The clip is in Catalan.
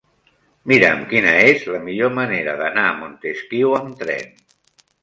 Mira'm quina és la millor manera d'anar a Montesquiu amb tren.